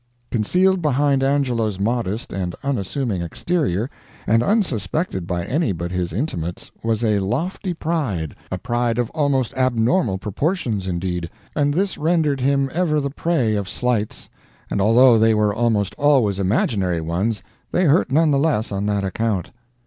Concealed behind Angelo's modest and unassuming exterior, and unsuspected by any but his intimates, was a lofty pride, a pride of almost abnormal proportions, indeed, and this rendered him ever the prey of slights; and although they were almost always imaginary ones, they hurt none the less on that account.